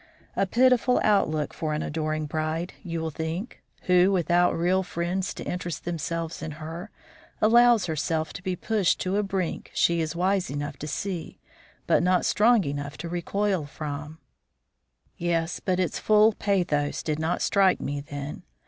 A pitiful outlook for an adoring bride, you will think, who, without real friends to interest themselves in her, allows herself to be pushed to a brink she is wise enough to see, but not strong enough to recoil from. Yes, but its full pathos did not strike me then.